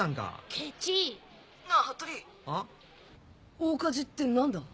大火事って何だ？